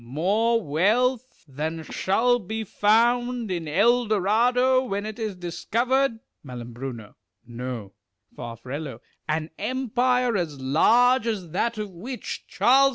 More wealth than shall be found in El Dorado, when it is discovered ? Mai No. Far. An empire as large as that of which Charles V.